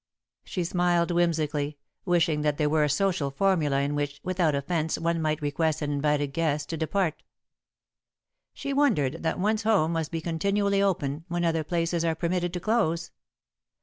She smiled whimsically, wishing that there were a social formula in which, without offence, one might request an invited guest to depart. She wondered that one's home must be continually open, when other places are permitted to close.